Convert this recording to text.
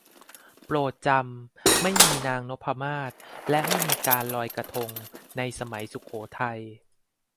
โปรดจำ ไม่มีนางนพมาศ และไม่มีการลอยกระทง ในสมัยสุโขทัย